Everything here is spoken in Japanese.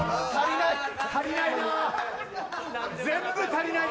足りない。